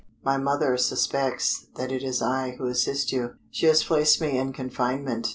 "My mother suspects that it is I who assist you: she has placed me in confinement.